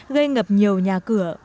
gây ngập nhiều nhà cửa